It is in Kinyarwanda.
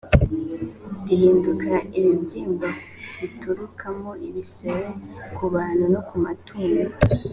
rihinduka ibibyimba biturikamo ibisebe h ku bantu no ku matungo